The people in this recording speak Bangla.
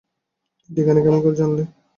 এ ঠিকানা কেমন করে জানলে?